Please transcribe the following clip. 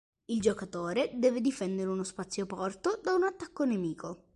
Il giocatore deve difendere uno spazioporto da un attacco nemico.